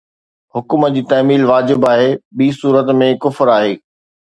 حڪم جي تعميل واجب آهي، ٻي صورت ۾ ڪفر آهي